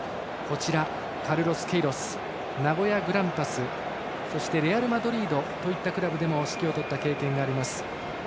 カルロス・ケイロスは名古屋グランパスそしてレアルマドリードといったクラブでも指揮を執った経験があります。